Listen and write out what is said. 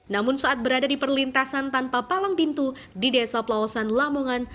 namun saat berada di perlintasan tanpa palang pintu di desa pelawasan lamongan